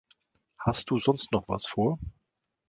Hast du sonst noch was vor?